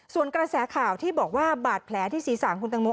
ส่วนกระแสข่าวที่บอกว่าบาดแผลที่ศีรษะคุณตังโม